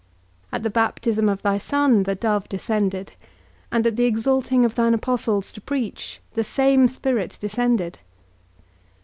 At the baptism of thy Son, the Dove descended, and at the exalting of thine apostles to preach, the same Spirit descended.